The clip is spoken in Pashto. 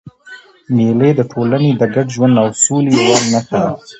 مېلې د ټولني د ګډ ژوند او سولي یوه نخښه ده.